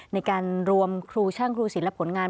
ในการรวมครูช่างครูศิลปและผลงาน